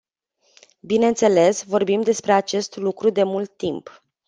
Bineînțeles, vorbim despre acest lucru de mult timp.